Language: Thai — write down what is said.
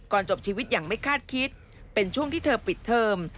จบชีวิตอย่างไม่คาดคิดเป็นช่วงที่เธอปิดเทอม